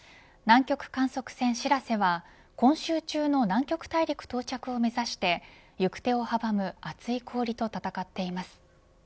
南極観測船しらせは今週中の南極大陸到着を目指して行く手を阻む厚い氷と闘っています。